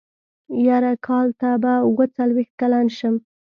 يره کال ته به اوه څلوېښت کلن شم.